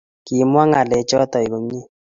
Kimwa ngalechoto komnyei